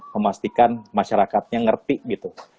memastikan masyarakatnya ngerti gitu